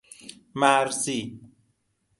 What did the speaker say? مرزی